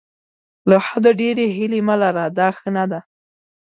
له حده ډېرې هیلې مه لره دا ښه نه ده.